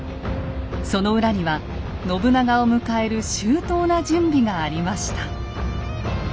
その裏には信長を迎える周到な準備がありました。